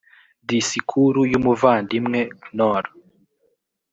disikuru y umuvandimwe knorr